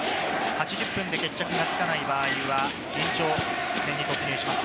８０分で決着がつかない場合は延長戦に突入します。